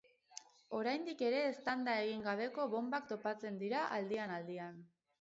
Oraindik ere eztanda egin gabeko bonbak topatzen dira aldian aldian.